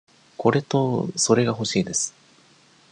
これとそれがほしいです。